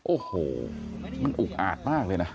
โอ้โหมันอุกอาจมากเลยนะ